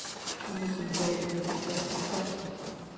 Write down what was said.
Hamilton played for West of Scotland.